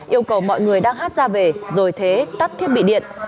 yêu cầu mọi người đang hát ra về rồi thế tắt thiết bị điện